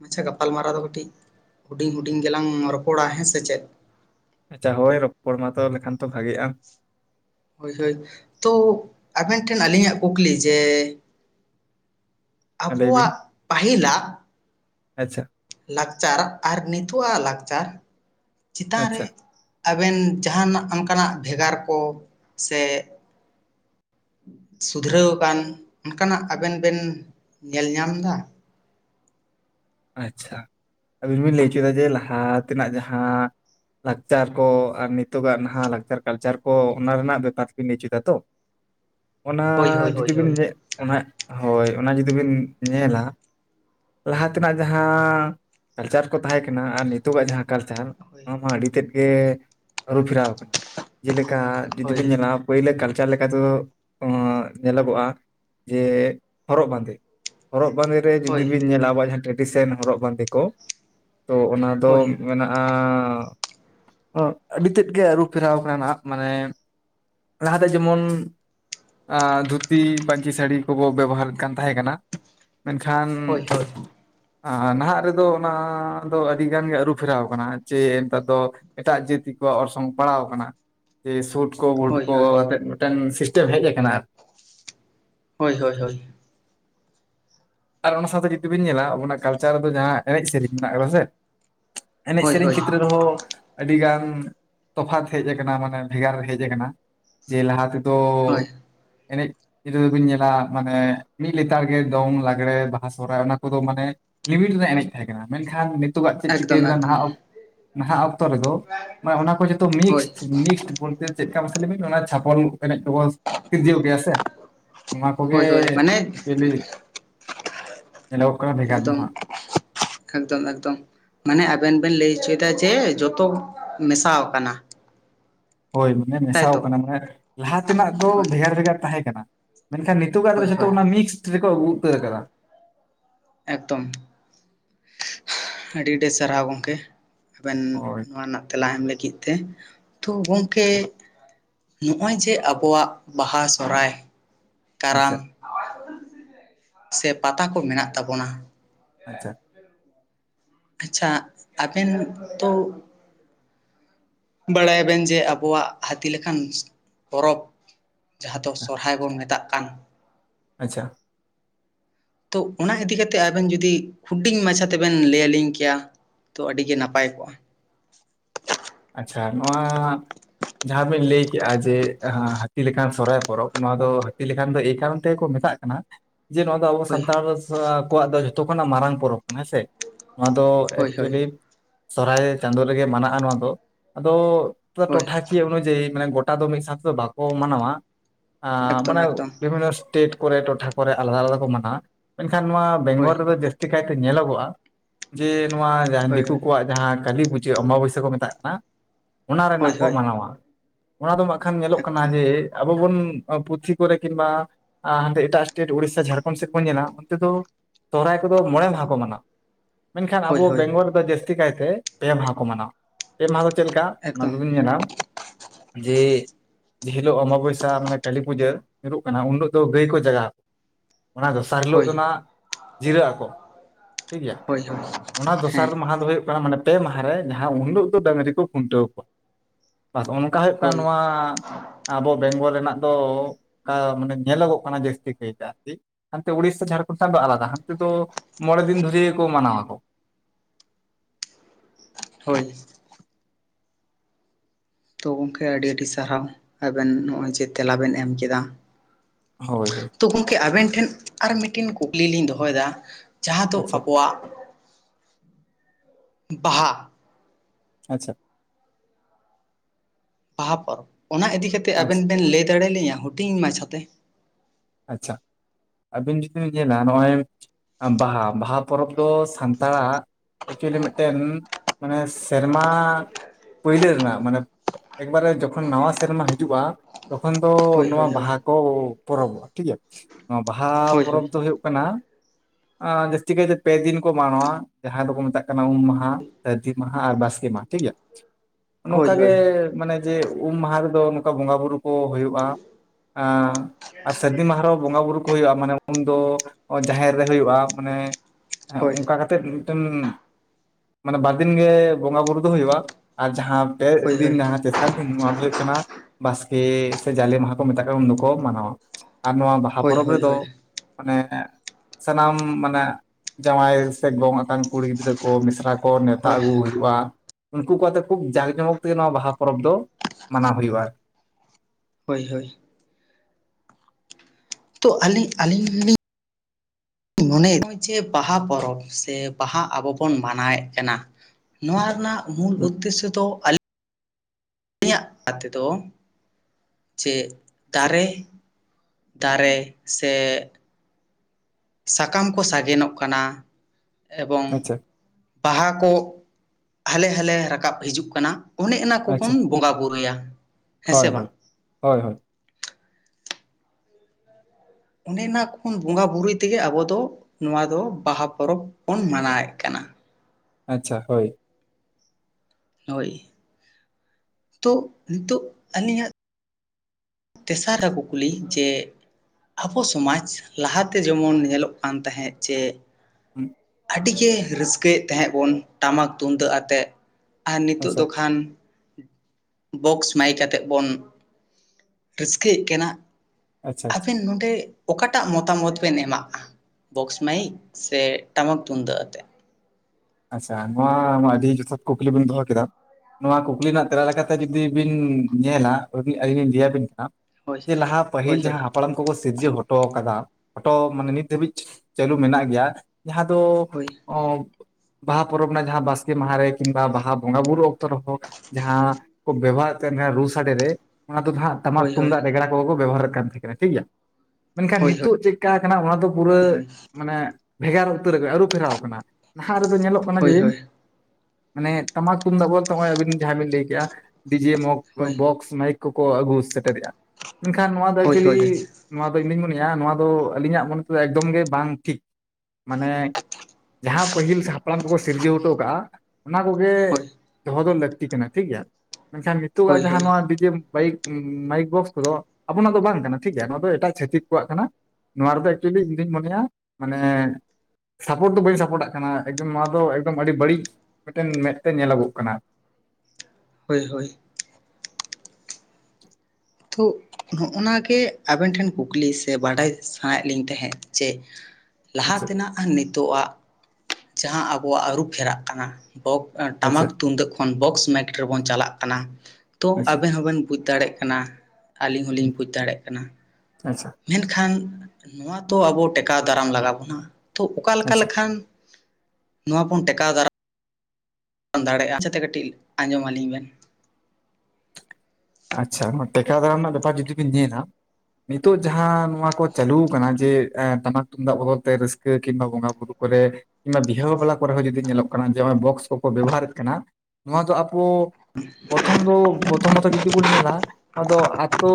[SPEAKER 2] ᱢᱟᱪᱷᱟ ᱜᱟᱯᱟᱞᱢᱟᱨᱟᱣ ᱫᱚ ᱠᱟᱹᱴᱤᱡ ᱦᱩᱰᱤᱧ ᱦᱩᱰᱤᱧ ᱜᱮᱞᱟᱝ ᱨᱚᱯᱚᱲᱟ ᱦᱮᱸ ᱥᱮ ᱪᱮᱫ
[SPEAKER 1] ᱟᱪᱪᱷᱟ ᱦᱳᱭ ᱨᱚᱯᱚᱲ ᱢᱟᱛᱚ ᱞᱮᱠᱷᱟᱱ ᱛᱚ ᱵᱷᱟᱜᱤᱜᱼᱟ
[SPEAKER 2] ᱦᱳᱭ ᱦᱳᱭ ᱛᱚ ᱟᱵᱮᱱ ᱴᱷᱮᱱ ᱟᱹᱞᱤᱧᱟᱜ ᱠᱩᱠᱞᱤ ᱡᱮ
[SPEAKER 1] ᱞᱟᱹᱭ ᱵᱤᱱ
[SPEAKER 2] ᱟᱵᱚᱣᱟᱜ ᱯᱟᱹᱦᱤᱞᱟᱜ
[SPEAKER 1] ᱟᱪᱪᱷᱟ
[SPEAKER 2] ᱞᱟᱠᱪᱟᱨ ᱟᱨ ᱱᱤᱛᱚᱜ ᱟᱜ ᱞᱟᱠᱪᱟᱨ ᱪᱮᱛᱟᱱ ᱨᱮ
[SPEAKER 1] ᱟᱪᱪᱷᱟ
[SPEAKER 2] ᱟᱵᱮᱱ ᱡᱟᱦᱱᱟᱜ ᱚᱱᱠᱟᱱᱟᱜ ᱵᱷᱮᱜᱟᱨ ᱠᱚ ᱥᱮ ᱥᱩᱫᱷᱨᱟᱹᱣ ᱟᱠᱟᱱ ᱚᱱᱠᱟᱱᱟᱜ ᱟᱵᱮᱱ ᱵᱮᱱ ᱧᱮᱞ ᱧᱟᱢ ᱮᱫᱟ
[SPEAKER 1] ᱟᱪᱪᱷᱟ ᱟᱹᱵᱤᱱ ᱵᱤᱱ ᱞᱟᱹᱭ ᱠᱮᱫᱟ ᱞᱟᱦᱟ ᱛᱮᱱᱟᱜ ᱡᱟᱦᱟᱸ ᱞᱟᱠᱪᱟᱨ ᱠᱚ ᱟᱨ ᱱᱤᱛᱚᱜ ᱟᱜ ᱱᱟᱦᱟᱜ ᱞᱟᱠᱪᱟᱨ ᱠᱟᱞᱪᱟᱨ ᱠᱚ ᱚᱱᱟ ᱨᱮᱱᱟᱜ ᱵᱮᱯᱟᱨ ᱠᱤᱱ ᱞᱟᱹᱭ ᱦᱩᱪᱩᱭ ᱫᱟ ᱛᱚ ᱚᱱᱟ
[SPEAKER 2] ᱦᱳᱭ ᱦᱳᱭ ᱦᱳᱭ
[SPEAKER 1] ᱡᱩᱫᱤ ᱵᱤᱱ
[SPEAKER 2] ᱦᱳᱭ
[SPEAKER 1] ᱚᱱᱟ ᱦᱳᱭ ᱚᱱᱟ ᱡᱩᱫᱤ ᱵᱤᱱ ᱧᱮᱞᱟ ᱞᱟᱦᱟ ᱚᱱᱛᱮᱱᱟᱜ ᱡᱟᱦᱟᱸ ᱠᱟᱞᱪᱟᱨ ᱠᱚ ᱛᱟᱦᱮᱸ ᱠᱟᱱᱟ ᱟᱨ ᱱᱤᱛᱚᱜ-ᱟᱜ ᱡᱟᱦᱟᱸ ᱠᱟᱞᱪᱟᱨ
[SPEAKER 2] ᱦᱳᱭ
[SPEAKER 1] ᱚᱱᱟ
[SPEAKER 2] ᱦᱳᱭ
[SPEAKER 1] ᱢᱟ ᱟᱹᱰᱤ ᱛᱮᱫ ᱜᱮ ᱟᱹᱨᱩ ᱯᱷᱮᱨᱟᱣ ᱟᱠᱟᱱᱟ ᱡᱮᱞᱮᱠᱟ ᱡᱩᱫᱤ ᱵᱮᱱ
[SPEAKER 2] ᱦᱳᱭ
[SPEAKER 1] ᱧᱮᱞᱟ ᱯᱳᱭᱞᱳ ᱠᱟᱞᱪᱟᱨ ᱞᱮᱠᱟᱛᱮᱫᱚ ᱧᱮᱞᱚᱜᱚᱜ-ᱟ ᱡᱮ ᱦᱚᱨᱚᱜ ᱵᱟᱸᱫᱮ ᱦᱚᱨᱚᱜ ᱵᱟᱸᱫᱮ ᱡᱮ ᱡᱩᱫᱤ
[SPEAKER 2] ᱦᱳᱭ
[SPEAKER 1] ᱵᱤᱱ ᱧᱮᱞᱟ ᱟᱵᱚ ᱡᱟᱦᱟᱸ ᱴᱨᱮᱰᱤᱥᱮᱱ ᱦᱚᱨᱚᱜ ᱵᱟᱸᱫᱮ ᱠᱚ ᱛᱚ ᱚᱱᱟ ᱫᱚ
[SPEAKER 2] ᱦᱳᱭ
[SPEAKER 1] ᱢᱮᱱᱟᱜ ᱟᱻ ᱟᱹᱰᱤ ᱛᱮᱫ ᱜᱮ ᱟᱹᱨᱩᱯᱷᱮᱨᱟᱣ ᱠᱟᱱᱟ ᱱᱟᱦᱟᱜ ᱢᱟᱱᱮ ᱞᱟᱦᱟᱛᱮ ᱡᱮᱢᱚᱱ ᱟᱻ ᱫᱷᱩᱛᱤ ᱯᱟᱹᱧᱪᱤ ᱥᱟᱹᱲᱤ ᱠᱚᱵᱚ ᱵᱮᱵᱚᱦᱟᱨᱮᱫ ᱠᱟᱱ ᱛᱟᱦᱮᱸ ᱠᱟᱱᱟ ᱢᱮᱱᱠᱷᱟᱱ
[SPEAKER 2] ᱦᱳᱭ ᱦᱳᱭ
[SPEAKER 1] ᱱᱟᱦᱟᱜ ᱨᱮᱫᱚ ᱚᱱᱟ ᱫᱚ ᱟᱹᱰᱤ ᱜᱟᱱ ᱜᱮ ᱟᱹᱨᱩᱯᱷᱮᱨᱟᱣ ᱠᱟᱱᱟ ᱪᱮ ᱱᱮᱛᱟᱨ ᱫᱚ ᱮᱴᱟᱜ ᱡᱟᱹᱛᱤ ᱠᱚᱣᱟᱜ ᱚᱨᱥᱚᱝ ᱯᱟᱲᱟᱣ ᱟᱠᱟᱱᱟ ᱡᱮ ᱥᱩᱴ ᱠᱚ ᱵᱩᱴ
[SPEAKER 2] ᱦᱳᱭ ᱦᱳᱭ
[SPEAKER 1] ᱠᱚ ᱟᱛᱮᱫ ᱢᱤᱫᱴᱟᱝ ᱥᱤᱥᱴᱮᱢ ᱦᱮᱡ ᱟᱠᱟᱱᱟ ᱟᱨᱠᱤ
[SPEAKER 2] ᱦᱳᱭ ᱦᱳᱭ ᱦᱳᱭ
[SPEAKER 1] ᱟᱨ ᱚᱱᱟ ᱥᱟᱶᱛᱮ ᱡᱩᱫᱤ ᱵᱤᱱ ᱧᱮᱞᱟ ᱟᱵᱚᱱᱟᱜ ᱠᱟᱞᱪᱟᱨ ᱨᱮᱫᱚ ᱡᱟᱦᱟᱸ ᱮᱱᱮᱡ ᱥᱮᱨᱮᱧ ᱢᱮᱱᱟᱜ ᱟᱠᱟᱫᱟ ᱥᱮ ᱮᱱᱮᱡ
[SPEAKER 2] ᱦᱳᱭ ᱦᱳᱭ
[SPEAKER 1] ᱥᱮᱨᱮᱧ
[SPEAKER 2] ᱦᱳᱭ
[SPEAKER 1] ᱠᱷᱮᱛᱨᱮ ᱨᱮᱦᱚᱸ ᱟᱹᱰᱤ ᱜᱟᱱ ᱛᱚᱯᱷᱟᱛ ᱦᱮᱡ ᱟᱠᱟᱱᱟ ᱢᱟᱱᱮ ᱵᱷᱮᱜᱟᱨ ᱦᱮᱡ ᱟᱠᱟᱱᱟ ᱡᱮ ᱞᱟᱦᱟᱛᱮ ᱛᱚ
[SPEAKER 2] ᱦᱳᱭ
[SPEAKER 1] ᱮᱱᱮᱡ ᱡᱩᱫᱤ ᱵᱮᱱ ᱧᱮᱞᱟ ᱢᱟᱱᱮ ᱢᱤᱫ ᱞᱮᱛᱟᱲ ᱜᱮ ᱫᱚᱝ ᱞᱟᱜ ᱞᱟᱜᱽᱲᱮ ᱵᱟᱦᱟ ᱥᱚᱨᱦᱟᱭ ᱚᱱᱟ ᱠᱚᱫᱚ ᱢᱟᱱᱮ ᱞᱤᱢᱤᱴ ᱨᱮ ᱮᱱᱮᱡ ᱛᱟᱦᱮᱸ ᱠᱟᱱᱟ ᱢᱮᱱᱠᱷᱟᱱ ᱱᱤᱛᱳ ᱟᱜ ᱪᱮᱫ ᱪᱤᱠᱟᱹ
[SPEAKER 2] ᱮᱠᱫᱚᱢ
[SPEAKER 1] ᱠᱟᱱᱟ
[SPEAKER 2] ᱮᱠᱫᱚᱢ
[SPEAKER 1] ᱱᱟᱦᱟᱜ ᱚᱠ ᱱᱟᱦᱟᱜ ᱚᱠᱛᱚ ᱨᱮᱫᱚ ᱢᱟᱱᱮ ᱚᱱᱟ ᱠᱚ ᱡᱚᱛᱚ ᱢᱤᱠᱥ
[SPEAKER 2] ᱦᱳᱭ
[SPEAKER 1] ᱢᱤᱠᱥ ᱵᱚᱞᱛᱮ ᱪᱮᱫ ᱞᱮᱠᱟ ᱢᱟᱥᱮ ᱞᱟᱹᱭᱵᱤᱱ ᱚᱱᱟ ᱪᱷᱟᱯᱚᱞ ᱮᱱᱮᱡ ᱠᱚ ᱥᱤᱨᱡᱟᱹᱣ ᱠᱮᱭᱟ ᱥᱮ ᱱᱚᱣᱟ ᱠᱚᱜᱮ
[SPEAKER 2] ᱦᱳᱭ ᱦᱳᱭ ᱢᱟᱱᱮ <unintelligible>
[SPEAKER 1] ᱧᱮᱞ ᱠᱟᱱᱟ ᱵᱷᱮᱜᱟᱨ ᱢᱚᱦᱟ
[SPEAKER 2] ᱮᱠᱫᱚᱢ ᱮᱠᱫᱚᱢ ᱮᱠᱫᱚᱢ ᱢᱟᱱᱮ ᱟᱵᱮᱱ ᱵᱮᱱ ᱞᱟᱹᱭ ᱦᱚᱪᱚᱭᱮᱫᱟ ᱡᱮ ᱡᱚᱛᱚ ᱢᱮᱥᱟ ᱟᱠᱟᱱᱟ
[SPEAKER 1] ᱦᱳᱭ ᱢᱟᱱᱮ ᱢᱮᱥᱟᱣ
[SPEAKER 2] ᱛᱟᱭᱛᱚ
[SPEAKER 1] ᱠᱟᱱᱟ ᱢᱟᱱᱮ ᱞᱟᱦᱟ ᱛᱮᱱᱟᱜ ᱫᱚ
[SPEAKER 2] ᱦᱳᱭ
[SPEAKER 1] ᱵᱷᱮᱜᱟᱨ ᱵᱷᱮᱜᱟᱨ ᱛᱟᱦᱮᱸ ᱠᱟᱱᱟ ᱢᱮᱱᱠᱷᱟᱱ ᱱᱤᱛᱚᱜ-ᱟ ᱫᱚ
[SPEAKER 2] ᱦᱳᱭ
[SPEAKER 1] ᱡᱚᱛᱚ
[SPEAKER 2] ᱦᱳᱭ
[SPEAKER 1] ᱚᱱᱟ ᱢᱤᱠᱥ ᱨᱮᱠᱚ ᱟᱜᱩ ᱩᱛᱟᱹᱨ ᱟᱠᱟᱫᱟ
[SPEAKER 2] ᱮᱠᱫᱚᱢ ᱟᱹᱰᱤ ᱟᱹᱰᱤ ᱥᱟᱨᱦᱟᱣ ᱜᱚᱢᱠᱮ ᱟᱵᱮᱱ
[SPEAKER 1] ᱦᱳᱭ
[SPEAKER 2] ᱱᱚᱣᱟ ᱨᱮᱱᱟᱜ ᱛᱮᱞᱟ ᱮᱢ ᱞᱟᱹᱜᱤᱫ ᱛᱮ ᱛᱳ ᱜᱚᱝᱠᱮ ᱱᱚᱜ-ᱚᱭ ᱡᱮ ᱟᱵᱚᱣᱟᱜ ᱵᱟᱦᱟ ᱥᱚᱦᱨᱟᱭ ᱠᱟᱨᱟᱢ
[SPEAKER 1] ᱟᱪᱪᱷᱟ
[SPEAKER 2] ᱥᱮ ᱯᱟᱛᱟ ᱠᱚ ᱢᱮᱱᱟᱜ ᱛᱟᱵᱚᱱᱟ
[SPEAKER 1] ᱟᱪᱪᱷᱟ
[SPEAKER 2] ᱟᱪᱪᱷᱟ ᱟᱵᱮᱱ ᱛᱚ ᱵᱟᱲᱟᱭᱟᱵᱚᱱ ᱡᱮ ᱟᱵᱚᱣᱟᱜ ᱦᱟᱹᱛᱤ ᱞᱮᱠᱟᱱ ᱯᱚᱨᱚᱵᱽ ᱡᱟᱦᱟᱸ ᱫᱚ ᱥᱚᱨᱦᱟᱭ ᱵᱚᱱ ᱢᱮᱛᱟᱜ ᱠᱟᱱ
[SPEAKER 1] ᱟᱪᱪᱷᱟ
[SPEAKER 2] <inaudible> ᱛᱚ ᱚᱱᱟ ᱤᱫᱤ ᱠᱟᱛᱮ ᱟᱵᱮᱱ ᱡᱩᱫᱤ ᱦᱩᱰᱤᱧ ᱢᱟᱪᱷᱟ ᱛᱮᱵᱮᱱ ᱞᱟᱹᱭ ᱟᱹᱞᱤᱧ ᱠᱮᱭᱟ ᱛᱚ ᱟᱹᱰᱤᱜᱮ ᱱᱟᱯᱟᱭ ᱠᱚᱜ-ᱟ
[SPEAKER 1] ᱟᱪᱪᱷᱟ ᱱᱚᱣᱟ ᱡᱟᱦᱟᱸᱵᱤᱱ ᱞᱟᱹᱭ ᱠᱮᱜ-ᱟ ᱡᱮ ᱦᱟᱹᱛᱤ ᱞᱮᱠᱟᱱ ᱥᱚᱨᱦᱟᱭ ᱯᱚᱨᱚᱵᱽ ᱱᱚᱣᱟ ᱫᱚ ᱦᱟᱹᱛᱤ ᱞᱮᱠᱟᱱ ᱫᱚ ᱮᱭ ᱠᱟᱨᱚᱱ ᱛᱮᱠᱚ ᱢᱮᱛᱟᱜ ᱠᱟᱱᱟ ᱡᱮ ᱱᱚᱣᱟ ᱫᱚ ᱟᱵᱚ
[SPEAKER 2] ᱦᱳᱭ
[SPEAKER 1] ᱥᱟᱱᱛᱟᱲ ᱥᱟ ᱠᱚᱣᱟᱜ ᱫᱚ ᱡᱷᱚᱛᱚ ᱠᱷᱚᱱᱟᱜ ᱢᱟᱨᱟᱝ ᱯᱚᱨᱚᱵᱽ ᱠᱟᱱᱟ ᱦᱮᱸ ᱥᱮ᱾ ᱱᱚᱣᱟ ᱫᱚ
[SPEAKER 2] ᱦᱳᱭ ᱦᱳᱭ
[SPEAKER 1] ᱮᱠᱪᱩᱭᱮᱞᱤ ᱥᱚᱨᱦᱟᱭ ᱪᱟᱸᱫᱳ ᱨᱮᱜᱮ ᱢᱮᱱᱟᱜᱼᱟ ᱱᱚᱣᱟ ᱫᱚ᱾ ᱟᱫᱚ
[SPEAKER 2] ᱦᱳᱭ
[SPEAKER 1] ᱴᱚᱴᱷᱟ ᱯᱤ ᱚᱱᱩᱡᱟᱭᱤ ᱢᱟᱱᱮ ᱜᱚᱴᱟ ᱫᱚ ᱢᱤᱫ ᱥᱟᱶ ᱛᱮᱫᱚ ᱵᱟᱠᱚ ᱢᱟᱱᱟᱣᱟ᱾ ᱟᱸ
[SPEAKER 2] ᱮᱠᱫᱚᱢ
[SPEAKER 1] ᱢᱟᱱᱮ
[SPEAKER 2] ᱮᱠᱫᱚᱢ
[SPEAKER 1] ᱵᱤᱵᱷᱤᱱᱱᱚ ᱴᱮᱴ ᱠᱚᱨᱮ ᱴᱚᱴᱷᱟ ᱠᱚᱨᱮ ᱟᱞᱟᱫᱟ ᱟᱞᱟᱫᱟ ᱠᱚ ᱢᱟᱱᱟᱣᱟ᱾ ᱢᱮᱱᱠᱷᱟᱱ ᱱᱚᱣᱟ
[SPEAKER 2] ᱦᱳᱭ
[SPEAKER 1] ᱵᱮᱝᱜᱚᱞ ᱨᱮᱫᱚ ᱡᱟᱹᱥᱛᱤ ᱡᱟᱹᱥᱛᱤ ᱠᱟᱭᱛᱮ ᱧᱮᱞᱚᱜᱚᱜᱼᱟ᱾ ᱡᱮ ᱱᱚᱣᱟ
[SPEAKER 2] ᱦᱳᱭ
[SPEAKER 1] ᱫᱤᱠᱩ
[SPEAKER 2] ᱦᱳᱭ
[SPEAKER 1] ᱠᱚᱣᱟᱜ ᱡᱟᱦᱟᱸ ᱠᱟᱞᱤ ᱯᱩᱡᱟᱹ ᱚᱢᱵᱽᱟᱵᱽᱟᱹᱭᱥᱟᱹ ᱠᱚ ᱢᱮᱛᱟᱜ ᱠᱟᱱᱟ᱾ ᱚᱱᱟ
[SPEAKER 2] ᱦᱳᱭ
[SPEAKER 1] ᱨᱮᱱᱟᱜ ᱠᱚ
[SPEAKER 2] ᱦᱳᱭ
[SPEAKER 1] ᱢᱟᱱᱟᱣᱟ, ᱚᱱᱟ ᱫᱚ ᱵᱟᱝᱠᱷᱟᱱ ᱧᱮᱞᱚᱜ ᱠᱟᱱᱟ᱾
[SPEAKER 2] ᱮᱠᱫᱚᱢ
[SPEAKER 1] ᱡᱮ ᱟᱵᱚ ᱵᱚᱱ ᱯᱩᱛᱷᱤ ᱠᱚᱨᱮ ᱠᱤᱢᱵᱟ ᱟ ᱦᱟᱱᱛᱮ ᱮᱴᱟᱜ ᱮᱥᱴᱮᱴ ᱩᱲᱤᱥᱟ ᱡᱷᱟᱲᱠᱷᱚᱸᱰ ᱥᱮᱫ ᱵᱚᱱ ᱧᱮᱞᱟ᱾ ᱚᱱᱛᱮ ᱫᱚ ᱥᱚᱦᱚᱨᱟᱭ ᱠᱚᱫᱚ ᱢᱚᱬᱮ ᱢᱟᱦᱟ ᱠᱚ ᱢᱟᱱᱟᱣᱟ᱾ ᱢᱮᱱᱠᱷᱟᱱ
[SPEAKER 2] ᱦᱳᱭ
[SPEAKER 1] ᱟᱵᱚ
[SPEAKER 2] ᱦᱳᱭ
[SPEAKER 1] ᱵᱮᱝᱜᱚᱞ ᱨᱮᱫᱚ ᱡᱟᱹᱥᱛᱤ ᱠᱟᱭᱛᱮ ᱯᱮ ᱢᱟᱦᱟ ᱠᱚ ᱢᱟᱱᱟᱣᱟ᱾ ᱯᱮ ᱢᱟᱦᱟ ᱫᱚ ᱪᱮᱫ ᱞᱮᱠᱟ? ᱚᱱᱟ
[SPEAKER 2] ᱮᱠᱫᱚᱢ
[SPEAKER 1] ᱫᱚᱵᱤᱱ ᱧᱮᱞᱟ, ᱡᱮ ᱡᱮᱦᱤᱞᱳᱜ ᱚᱢᱵᱽᱟ ᱵᱚᱭᱥᱟ ᱢᱟᱱᱮ ᱠᱟᱹᱞᱤᱯᱩᱡᱟᱹ ᱧᱩᱨᱩᱜ ᱠᱟᱱᱟ᱾ ᱩᱱᱞᱳᱜ ᱫᱚ ᱜᱟᱹᱭ ᱠᱚ ᱡᱟᱜᱟᱣ᱾ ᱚᱱᱟ ᱫᱚᱥ ᱥᱟᱨ ᱦᱤᱞᱳᱜ
[SPEAKER 2] ᱦᱳᱭ
[SPEAKER 1] ᱫᱚ ᱦᱟᱜ ᱡᱤᱨᱟᱹᱜ ᱟᱠᱚ᱾ ᱴᱷᱤᱠᱜᱮᱭᱟ,
[SPEAKER 2] ᱦᱳᱭ ᱦᱳᱭ
[SPEAKER 1] ᱚᱱᱟ ᱫᱚᱥᱟᱨ
[SPEAKER 2] ᱦᱮᱸ
[SPEAKER 1] ᱢᱟᱦᱟ ᱫᱚ ᱦᱩᱭᱩᱜ ᱠᱟᱱᱟ᱾ ᱢᱟᱱᱮ ᱯᱮ ᱢᱟᱦᱟ ᱨᱮ ᱡᱟᱦᱟᱸ ᱩᱱᱞᱳᱜᱷ ᱛᱳ ᱰᱟᱹᱝᱨᱤ ᱠᱚ ᱠᱷᱩᱱᱴᱟᱹᱣ ᱠᱚᱣᱟ᱾ ᱵᱟᱥ ᱚᱱᱠᱟ ᱦᱩᱭᱩᱜ ᱠᱟᱱᱟ
[SPEAKER 2] ᱦᱳᱭ
[SPEAKER 1] ᱱᱚᱣᱟ ᱟᱵᱚ ᱵᱮᱝᱜᱚᱞ ᱨᱮᱱᱟᱜ ᱫᱚ ᱚᱱᱠᱟ ᱢᱟᱱᱮ ᱧᱮᱞᱚᱜᱚᱜ ᱠᱟᱱᱟ ᱡᱟᱹᱥᱛᱤ ᱠᱟᱭᱛᱮ ᱟᱨᱠᱤ᱾ ᱦᱟᱱᱛᱮ ᱩᱲᱤᱥᱥᱟ ᱡᱷᱟᱲᱠᱷᱚᱸᱰ ᱥᱮᱱ ᱫᱚ ᱟᱞᱟᱫᱟ, ᱦᱟᱱᱛᱮ ᱫᱚ ᱢᱚᱬᱮ ᱫᱤᱱ ᱫᱷᱚᱨᱮ ᱠᱚ ᱢᱟᱱᱟᱣᱟ ᱠᱚ᱾
[SPEAKER 2] ᱦᱳᱭ ᱛᱚ ᱜᱚᱢᱠᱮ ᱟᱹᱰᱤ ᱟᱹᱰᱤ ᱥᱟᱨᱦᱟᱣ ᱟᱵᱮᱱ ᱱᱚᱜᱼᱚᱭ ᱡᱮ ᱛᱮᱞᱟ ᱵᱮᱱ ᱮᱢ ᱠᱮᱫᱟ᱾
[SPEAKER 1] ᱦᱳᱭ ᱦᱳᱭ
[SPEAKER 2] ᱛᱚ ᱜᱚᱢᱠᱮ ᱟᱵᱮᱱ ᱴᱷᱮᱱ ᱟᱨ ᱢᱤᱫᱴᱮᱱ ᱠᱩᱠᱞᱤ ᱞᱤᱧ ᱫᱚᱦᱚᱭᱮᱫᱟ᱾ ᱡᱟᱦᱟᱸ ᱫᱚ
[SPEAKER 1] ᱟᱪᱪᱷᱟ
[SPEAKER 2] ᱟᱵᱚᱣᱟᱜ ᱵᱟᱦᱟ
[SPEAKER 1] ᱟᱪᱪᱷᱟ
[SPEAKER 2] ᱵᱟᱦᱟ ᱯᱚᱨᱚᱵᱽ, ᱚᱱᱟ ᱤᱫᱤ ᱠᱟᱛᱮ ᱟᱵᱮᱱ
[SPEAKER 1] ᱟᱪᱪᱷᱟ
[SPEAKER 2] ᱵᱮᱱ ᱞᱟᱹᱭ ᱫᱟᱲᱮ ᱞᱤᱧᱟᱹ ᱦᱩᱰᱤᱧ ᱢᱟᱪᱷᱟᱛᱮ᱾
[SPEAKER 1] ᱟᱪᱪᱷᱟ ᱟᱹᱵᱤᱱ ᱡᱩᱫᱤ ᱵᱤᱱ ᱧᱮᱞᱟ, ᱱᱚᱜᱼᱚᱭ ᱵᱟᱦᱟ ᱵᱟᱦᱟ ᱯᱚᱨᱚᱵᱽ ᱫᱚ ᱥᱟᱱᱛᱟᱲᱟᱜ ᱮᱠᱪᱩᱭᱮᱞᱤ ᱢᱤᱫᱴᱮᱱ ᱢᱟᱱᱮᱥ ᱥᱮᱨᱢᱟ ᱯᱟᱹᱭᱞᱟᱹ ᱨᱮᱱᱟᱜ ᱢᱟᱱᱮ ᱮᱠᱵᱟᱨᱮ ᱡᱚᱠᱷᱚᱱ ᱱᱟᱣᱟ ᱥᱮᱨᱢᱟ ᱦᱤᱡᱩᱜᱼᱟ ᱛᱚᱠᱷᱚᱱ ᱫᱚ
[SPEAKER 2] ᱦᱳᱭ
[SPEAKER 1] ᱱᱚᱣᱟ
[SPEAKER 2] ᱦᱳᱭ ᱦᱳᱭ
[SPEAKER 1] ᱵᱟᱦᱟ ᱠᱚ ᱯᱚᱨᱚᱵᱽᱚᱜᱼᱟ ᱴᱷᱤᱠᱜᱮᱭᱟ᱾ ᱱᱚᱣᱟ ᱵᱟᱦᱟ
[SPEAKER 2] ᱦᱳᱭ
[SPEAKER 1] ᱯᱚᱨᱚᱵᱽ ᱫᱚ ᱦᱩᱭᱩᱜ ᱠᱟᱱᱟ ᱡᱟᱹᱥᱛᱤ ᱠᱟᱭᱛᱮ ᱯᱮ ᱫᱤᱱ ᱠᱚ ᱢᱟᱱᱟᱣᱟ᱾ ᱡᱟᱦᱟᱸ ᱫᱚᱠᱚ ᱢᱮᱛᱟᱜ ᱠᱟᱱᱟ ᱩᱢ ᱢᱟᱦᱟ, ᱥᱟᱹᱨᱫᱤ ᱢᱟᱦᱟ ᱟᱨ ᱵᱟᱥᱠᱮ ᱢᱟ ᱴᱷᱤᱠᱜᱮᱭᱟ᱾
[SPEAKER 2] ᱦᱳᱭ
[SPEAKER 1] ᱱᱚᱝᱠᱟ ᱜᱮ
[SPEAKER 2] ᱦᱳᱭ
[SPEAKER 1] ᱢᱟᱱᱮ ᱡᱮ ᱩᱢ ᱢᱟᱦᱟ ᱨᱮᱫᱚ ᱱᱚᱝᱠᱟ ᱵᱚᱸᱜᱟ ᱵᱩᱨᱩ ᱠᱚ ᱦᱩᱭᱩᱜ <unintelligible> ᱟ ᱟᱨ ᱥᱟᱹᱨᱫᱤ ᱢᱟᱦᱟ ᱨᱮᱦᱚᱸ ᱵᱚᱸᱜᱟ ᱵᱩᱨᱩ ᱠᱚ ᱦᱩᱭᱩᱜᱼᱟ᱾ ᱢᱟᱱᱮ ᱩᱱᱫᱚ ᱱᱚᱜ-ᱚᱭ ᱡᱟᱦᱮᱨ ᱦᱩᱭᱩᱜᱼᱟ, ᱢᱟᱱᱮ
[SPEAKER 2] ᱦᱳᱭ
[SPEAKER 1] ᱚᱱᱠᱟ ᱠᱟᱛᱮ ᱛᱮᱫ ᱢᱤᱫᱴᱮᱱ ᱢᱟᱱᱮ ᱵᱟᱨ ᱫᱤᱱ ᱜᱮ ᱵᱚᱸᱜᱟ ᱵᱩᱨᱩ ᱫᱚ ᱦᱩᱭᱩᱜᱼᱟ ᱟᱨ ᱡᱟᱦᱟᱸ ᱯᱮ
[SPEAKER 2] ᱦᱳᱭ ᱦᱳᱭ
[SPEAKER 1] ᱫᱤᱱ ᱱᱟ <unintelligible> ᱟᱨ ᱫᱤᱱ ᱱᱚᱣᱟ ᱫᱚ ᱦᱩᱭᱩᱜ ᱠᱟᱱᱟ ᱵᱟᱥᱠᱮ ᱥᱮ ᱡᱟᱞᱮ ᱢᱟᱦᱟ ᱠᱚ ᱢᱮᱛᱟᱜ ᱠᱟᱱᱟ᱾ ᱩᱱ ᱫᱚᱠᱚ ᱢᱟᱱᱟᱣᱟ ᱟᱨ ᱱᱚᱣᱟ ᱵᱟᱦᱟ ᱵᱟᱦᱟ
[SPEAKER 2] ᱦᱳᱭ ᱦᱳᱭ ᱦᱳᱭ
[SPEAKER 1] ᱯᱚᱨᱚᱵᱽ
[SPEAKER 2] ᱦᱳᱭ
[SPEAKER 1] ᱨᱮᱫᱚ ᱢᱟᱱᱮ ᱥᱟᱱᱟᱢ ᱢᱟᱱᱮ ᱡᱟᱶᱟᱭ ᱥᱮ ᱜᱚᱝ ᱟᱠᱟᱱ ᱠᱩᱲᱤ ᱜᱤᱫᱽᱨᱟᱹ ᱠᱚ ᱢᱤᱥᱨᱟ ᱠᱚ ᱱᱮᱣᱛᱟ
[SPEAKER 2] ᱦᱳᱭ
[SPEAKER 1] ᱟᱹᱜᱩ ᱦᱩᱭᱩᱜᱼᱟ᱾ ᱩᱱᱠᱩ ᱠᱚ ᱟᱛᱮ ᱠᱷᱩᱵ ᱡᱟᱸᱠ ᱡᱚᱢᱚᱠ ᱛᱮᱜᱮ ᱱᱚᱣᱟ ᱵᱟᱦᱟ ᱯᱚᱨᱚᱵᱽ ᱫᱚ ᱢᱟᱱᱟᱣ ᱦᱩᱭᱩᱜᱼᱟ ᱟᱨᱠᱤ᱾
[SPEAKER 2] ᱦᱳᱭ ᱦᱳᱭ ᱛᱚ ᱟᱹᱞᱤᱧ ᱟᱹᱞᱤᱧ ᱞᱤᱧ ᱢᱚᱱᱮᱭᱮᱫᱟ, ᱱᱚᱜ-ᱚᱭ ᱡᱮ ᱵᱟᱦᱟ ᱯᱚᱨᱚᱵᱽ ᱥᱮ ᱵᱟᱦᱟ ᱟᱵᱚ ᱵᱚᱱ ᱢᱟᱱᱟᱣᱮᱫ ᱠᱟᱱᱟ᱾ ᱱᱚᱣᱟ ᱨᱮᱱᱟᱜ ᱢᱩᱞ ᱩᱫᱽᱫᱮᱥᱥᱚ ᱫᱚ ᱟᱞᱤ ᱟᱛᱮ ᱫᱚ ᱪᱮᱜ
[SPEAKER 1] ᱟᱪᱪᱷᱟ
[SPEAKER 2] ᱫᱟᱨᱮ? ᱫᱟᱨᱮ ᱥᱮ ᱥᱟᱠᱟᱢ ᱠᱚ ᱥᱟᱜᱮᱱᱚᱜ ᱠᱟᱱᱟ ᱮᱵᱚᱝ
[SPEAKER 1] ᱟᱪᱪᱷᱟ
[SPEAKER 2] ᱵᱟᱦᱟ ᱠᱚ ᱦᱟᱞᱮ ᱦᱟᱞᱮ ᱨᱟᱠᱟᱵ ᱦᱤᱡᱩᱜ ᱠᱟᱱᱟ᱾ ᱚᱱᱮ ᱚᱱᱟ ᱠᱚᱵᱚᱱ
[SPEAKER 1] ᱟᱪᱪᱷᱟ
[SPEAKER 2] ᱵᱚᱸᱜᱟ ᱵᱩᱨᱩᱭᱟ᱾ ᱦᱮᱸ
[SPEAKER 1] ᱦᱳᱭ
[SPEAKER 2] ᱥᱮ
[SPEAKER 1] ᱦᱳᱭ
[SPEAKER 2] ᱵᱟᱝ
[SPEAKER 1] ᱦᱳᱭ ᱦᱳᱭ
[SPEAKER 2] ᱚᱱᱮ ᱚᱱᱟ ᱠᱷᱚᱱ ᱵᱚᱸᱜᱟ ᱵᱩᱨᱩᱭ ᱛᱮᱜᱮ ᱟᱵᱚ ᱫᱚ ᱱᱚᱣᱟ ᱫᱚ ᱵᱟᱦᱟ ᱯᱚᱨᱚᱵᱽ ᱵᱚᱱ ᱢᱟᱱᱟᱣᱮᱫ ᱠᱟᱱᱟ
[SPEAKER 1] ᱟᱪᱪᱷᱟ ᱦᱳᱭ
[SPEAKER 2] ᱦᱳᱭ ᱛᱚ ᱱᱤᱛᱚᱜ ᱟᱹᱞᱤᱧᱟᱜ ᱛᱮᱥᱟᱨ ᱨᱮ ᱠᱩᱠᱞᱤ ᱡᱮ ᱟᱵᱚ ᱥᱚᱢᱟᱡᱽ ᱞᱟᱦᱟᱛᱮ ᱡᱮᱢᱚᱱ ᱧᱮᱞᱚᱜ ᱠᱟᱱ ᱛᱟᱦᱮᱸᱫ ᱡᱮ
[SPEAKER 1] ᱦᱮᱸ
[SPEAKER 2] ᱟᱹᱰᱤ ᱜᱮ ᱨᱟᱹᱥᱠᱟᱹᱭᱮᱫ ᱛᱟᱦᱮᱸᱫ ᱵᱚᱱ ᱴᱟᱢᱟᱠ ᱛᱩᱢᱫᱟᱹᱜ ᱟᱛᱮᱫ ᱟᱨ ᱱᱤᱛᱚᱜ
[SPEAKER 1] ᱟᱪᱪᱷᱟ
[SPEAKER 2] ᱫᱚ ᱠᱷᱟᱱ ᱵᱚᱠᱥ ᱢᱟᱭᱤᱠ ᱟᱛᱮᱫ ᱵᱚᱱ ᱨᱟᱹᱥᱠᱟᱹᱭᱮᱫ ᱠᱟᱱᱟ
[SPEAKER 1] ᱟᱪᱪᱷᱟ ᱟᱪᱪᱷᱟ
[SPEAKER 2] ᱟᱵᱮᱱ ᱱᱚᱰᱮ ᱚᱠᱟᱴᱟᱜ ᱢᱚᱛᱟᱢᱚᱛ ᱵᱮᱱ ᱮᱢᱟᱜᱼᱟ ᱵᱚᱠᱥ ᱢᱟᱭᱤᱠ ᱥᱮ ᱴᱟᱢᱟᱠ ᱛᱩᱢᱫᱟᱹᱜ ᱟᱛᱮᱫ
[SPEAKER 1] ᱟᱪᱪᱷᱟ ᱱᱚᱣᱟ ᱢᱟ ᱟᱹᱰᱤ ᱡᱚᱛᱷᱟᱛ ᱠᱩᱠᱞᱤ ᱵᱮᱱ ᱫᱚᱦᱚ ᱠᱮᱫᱟ ᱱᱚᱣᱟ ᱠᱩᱠᱞᱤ ᱨᱮᱱᱟᱜ ᱛᱮᱞᱟ ᱞᱮᱠᱟᱛᱮ ᱡᱩᱫᱤ ᱵᱤᱱ ᱧᱮᱞᱟ ᱟᱵᱤᱱ ᱟᱹᱞᱤᱧ ᱞᱤᱧ ᱞᱟᱹᱭ ᱟᱵᱤᱱ ᱠᱟᱱᱟ
[SPEAKER 2] ᱦᱳᱭ
[SPEAKER 1] ᱡᱮ ᱞᱟᱦᱟ ᱯᱟᱹᱦᱤᱞ
[SPEAKER 2] ᱦᱳᱭ
[SPEAKER 1] ᱡᱟᱦᱟᱸ ᱦᱟᱯᱲᱟᱢ ᱠᱚᱠᱚ ᱥᱤᱨᱡᱟᱹ ᱦᱚ ᱦᱚᱴᱚ ᱟᱠᱟᱫᱟ ᱦᱚᱴᱚ ᱢᱟᱱᱮ ᱱᱤᱛ ᱫᱷᱟᱹᱵᱤᱡ ᱪᱟᱹᱞᱩ ᱢᱮᱱᱟᱜ ᱜᱮᱭᱟ ᱡᱟᱦᱟᱸ ᱫᱚ
[SPEAKER 2] ᱦᱳᱭ
[SPEAKER 1] ᱵᱟᱦᱟ ᱯᱚᱨᱚᱵᱽ ᱨᱮᱱᱟᱜ ᱡᱟᱦᱟᱸ ᱵᱟᱥᱠᱮ ᱢᱟᱦᱟ ᱨᱮ ᱠᱤᱢᱵᱟ ᱵᱟᱦᱟ ᱵᱚᱸᱜᱟ ᱵᱩᱨᱩ ᱚᱠᱛᱚ ᱨᱮᱦᱚᱸ ᱡᱟᱦᱟᱸ ᱠᱚ ᱵᱮᱵᱚᱦᱟᱨ ᱠᱟᱱ ᱛᱟᱦᱮᱸ ᱨᱩ ᱥᱟᱰᱮ ᱨᱮ ᱚᱱᱟ ᱫᱚ ᱦᱟᱜ ᱴᱟᱢᱟᱠ
[SPEAKER 2] ᱦᱳᱭ ᱦᱳᱭ
[SPEAKER 1] ᱛᱩᱢᱫᱟᱜ ᱨᱮᱜᱽᱲᱟ ᱠᱚ ᱠᱚ ᱵᱮᱵᱚᱦᱟᱨᱮᱫ ᱠᱟᱱ ᱛᱟᱦᱮᱸ ᱠᱟᱱᱟ ᱴᱷᱤᱠ ᱜᱮᱭᱟ ᱢᱮᱱᱠᱷᱟᱱ
[SPEAKER 2] ᱦᱳᱭ ᱦᱳᱭ
[SPEAKER 1] ᱱᱤᱛᱚᱜ ᱪᱮᱫ ᱪᱮᱠᱟ ᱠᱟᱱᱟ ᱚᱱᱟ ᱫᱚ ᱯᱩᱨᱟᱹ ᱢᱟᱱᱮ ᱵᱷᱮᱜᱟᱨ ᱩᱛᱟᱹᱨ ᱟᱠᱟᱱᱟ ᱟᱹᱨᱩ ᱯᱷᱮᱨᱟᱣ ᱟᱠᱟᱱᱟ ᱱᱟᱦᱟᱜ ᱨᱮᱫᱚ ᱧᱮᱞᱚᱜ ᱠᱟᱱᱟ ᱚᱱᱟ
[SPEAKER 2] ᱦᱳᱭ ᱦᱳᱭ
[SPEAKER 1] ᱡᱮ
[SPEAKER 2] ᱦᱳᱭ
[SPEAKER 1] ᱢᱟᱱᱮ ᱴᱟᱢᱟᱠ ᱛᱩᱢᱫᱟᱜ ᱵᱟᱵᱚᱛ ᱟᱵᱤᱱ ᱡᱟᱦᱟᱸ ᱵᱤᱱ ᱞᱟᱹᱭ ᱠᱮᱜᱼᱟ ᱰᱤᱡᱮ ᱢᱚᱜᱽ
[SPEAKER 2] ᱦᱳᱭ
[SPEAKER 1] ᱵᱚᱠᱥ ᱢᱟᱭᱤᱠ ᱠᱚᱠᱚ ᱟᱹᱜᱩ ᱥᱮᱴᱮᱨᱮᱜᱼᱟ ᱢᱮᱱᱠᱷᱟᱱ ᱱᱚᱣᱟ ᱫᱚ
[SPEAKER 2] ᱦᱳᱭ ᱦᱳᱭ
[SPEAKER 1] ᱮᱠᱪᱩᱭᱮᱞᱤ
[SPEAKER 2] ᱦᱳᱭ
[SPEAKER 1] ᱱᱚᱣᱟ ᱫᱚ ᱤᱧ ᱫᱩᱧ ᱢᱚᱱᱮᱭᱟ ᱱᱚᱣᱟ ᱫᱚ ᱟᱹᱞᱤᱧᱟᱜ ᱢᱚᱱᱮ ᱛᱮᱫᱚ ᱮᱠᱫᱚᱢ ᱜᱮ ᱵᱟᱝ ᱴᱷᱤᱠ ᱢᱟᱱᱮ ᱡᱟᱦᱟᱸ ᱯᱟᱹᱦᱤᱞ ᱥᱮ ᱦᱟᱯᱲᱟᱢ ᱠᱚᱠᱚ ᱥᱤᱨᱡᱟᱹᱣ ᱦᱚᱴᱚ ᱠᱟᱜᱼᱟ ᱚᱱᱟ ᱠᱚᱜᱮ
[SPEAKER 2] ᱦᱳᱭ
[SPEAKER 1] ᱫᱚᱦᱚ ᱫᱚ ᱞᱟᱹᱠᱛᱤ ᱠᱟᱱᱟ ᱴᱷᱤᱠ ᱜᱮᱭᱟ ᱢᱮᱱᱠᱷᱟᱱ ᱱᱤᱛᱚᱜ ᱟᱜ
[SPEAKER 2] ᱦᱳᱭ
[SPEAKER 1] ᱡᱟᱦᱟᱸ ᱱᱚᱣᱟ ᱰᱤᱡᱮ ᱵᱟᱭᱤᱠ ᱢᱟᱭᱤᱠ ᱵᱚᱠᱥ ᱠᱚᱫᱚ ᱟᱵᱚᱱᱟᱜ ᱫᱚ ᱵᱟᱝ ᱠᱟᱱᱟ ᱴᱷᱤᱠ ᱜᱮᱭᱟ ᱱᱚᱣᱟ ᱫᱚ ᱮᱴᱟᱜ ᱪᱷᱟᱹᱛᱤᱠ ᱠᱚᱣᱟᱜ ᱠᱟᱱᱟ ᱱᱚᱣᱟ ᱨᱮᱫᱚ ᱮᱠᱪᱩᱭᱮᱞᱤ ᱤᱧ ᱫᱩᱧ ᱢᱚᱱᱮᱭᱟ ᱢᱟᱱᱮ ᱥᱟᱯᱚᱨᱴ ᱫᱚ ᱵᱟᱹᱧ ᱥᱟᱯᱚᱨᱴᱟᱜ ᱠᱟᱱᱟ ᱠᱟᱱᱟ ᱮᱠᱫᱚᱢ ᱱᱚᱣᱟ ᱫᱚ ᱮᱠᱫᱚᱢ ᱟᱹᱰᱤ ᱵᱟᱹᱲᱤᱡ ᱢᱤᱫᱴᱮᱱ ᱢᱮᱫ ᱛᱮ ᱧᱮᱞᱚᱜᱚᱜ ᱠᱟᱱᱟ
[SPEAKER 2] ᱦᱳᱭ ᱦᱳᱭ ᱛᱚ ᱱᱚᱜᱼᱱᱟ ᱜᱮ ᱟᱵᱮᱱ ᱴᱷᱮᱱ ᱠᱩᱠᱞᱤ ᱥᱮ ᱵᱟᱰᱟᱭ ᱥᱟᱱᱟᱭᱮᱫ ᱞᱤᱧ ᱛᱟᱦᱮᱸᱫ ᱡᱮ ᱞᱟᱦᱟ
[SPEAKER 1] ᱟᱪᱪᱷᱟ
[SPEAKER 2] ᱛᱮᱱᱟᱜ ᱟᱨ ᱱᱤᱛᱳᱜ ᱟᱜ ᱡᱟᱦᱟᱸ ᱟᱵᱚᱣᱟᱜ ᱟᱹᱨᱩ ᱯᱷᱮᱨᱟᱜ ᱠᱟᱱᱟ
[SPEAKER 1] ᱟᱪᱪᱷᱟ
[SPEAKER 2] ᱴᱟᱢᱟᱠ ᱛᱩᱢᱫᱟᱜ ᱠᱷᱚᱱ ᱵᱚᱠᱥ ᱢᱮᱭᱤᱠ ᱨᱮᱵᱚᱱ ᱪᱟᱞᱟᱜ ᱠᱟᱱᱟ ᱛᱚ
[SPEAKER 1] ᱟᱪᱪᱷᱟ
[SPEAKER 2] ᱟᱵᱮᱱ ᱦᱚᱸ ᱵᱮᱱ ᱵᱩᱡᱽ ᱫᱟᱲᱮᱜ ᱠᱟᱱᱟ ᱟᱹᱞᱤᱧ ᱦᱚᱞᱤᱧ ᱵᱩᱡᱽ ᱫᱟᱲᱮᱜ ᱠᱟᱱᱟ
[SPEAKER 1] ᱟᱪᱪᱷᱟ
[SPEAKER 2] ᱢᱮᱱ ᱠᱷᱟᱱ ᱱᱚᱣᱟ ᱛᱚ ᱟᱵᱚ ᱴᱮᱠᱟᱣ ᱫᱟᱨᱟᱢ ᱞᱟᱜᱟᱣ ᱵᱚᱱᱟ ᱛᱚ ᱚᱠᱟ ᱞᱮᱠᱟ
[SPEAKER 1] ᱟᱪᱪᱷᱟ
[SPEAKER 2] ᱞᱮᱠᱷᱟᱱ ᱱᱚᱣᱟ ᱵᱚᱱ ᱴᱮᱠᱟᱣ ᱫᱟᱨᱟᱢ ᱫᱟᱲᱮᱭᱟᱜᱼᱟ ᱟᱪᱪᱷᱟ ᱛᱮ ᱠᱟᱹᱴᱤᱡ ᱟᱸᱡᱚᱢ ᱟᱹᱞᱤᱧ ᱵᱮᱱ
[SPEAKER 1] ᱟᱪᱪᱷᱟ ᱱᱚᱣᱟ ᱴᱮᱠᱟᱣ ᱫᱟᱨᱟᱢ ᱨᱮᱱᱟᱜ ᱵᱮᱯᱟᱨ ᱡᱩᱫᱤ ᱵᱮᱱ ᱧᱮᱞᱟ ᱱᱤᱛᱚᱜ ᱡᱟᱦᱟᱸ ᱱᱚᱣᱟ ᱠᱚ ᱪᱟᱞᱩ ᱠᱟᱱᱟ ᱡᱮ ᱴᱟᱢᱟᱠ ᱛᱩᱢᱫᱟᱜ ᱵᱚᱫᱚᱞ ᱛᱮ ᱨᱟᱹᱥᱠᱟᱹ ᱠᱤᱝᱵᱟ ᱵᱚᱸᱜᱟ ᱵᱩᱨᱩ ᱠᱚᱨᱮ ᱠᱤᱵᱟ ᱵᱤᱦᱟᱹ ᱵᱟᱞᱟ ᱠᱚᱨᱮ ᱦᱚᱸ ᱡᱩᱫᱤ ᱧᱮᱞᱚᱜ ᱠᱟᱱᱟ ᱡᱮ ᱱᱚ ᱚᱭ ᱵᱚᱠᱥ ᱠᱚᱠᱚ ᱵᱮᱵᱷᱟᱨᱮᱫ ᱠᱟᱱᱟ ᱱᱚᱣᱟ ᱫᱚ ᱟᱵᱚ <unintelligible>
[SPEAKER 2] ᱦᱮᱸ <inaudible>
[SPEAKER 1] ᱯᱨᱚᱛᱷᱚᱢ ᱫᱚ ᱯᱨᱚᱛᱷᱚᱢᱚᱛᱚ ᱡᱩᱫᱤ ᱵᱚᱱ ᱧᱮᱞᱟ ᱟᱫᱚ ᱟᱛᱳ